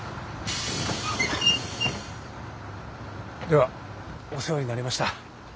ではお世話になりました。